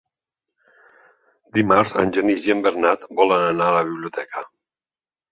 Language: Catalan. Dimarts en Genís i en Bernat volen anar a la biblioteca.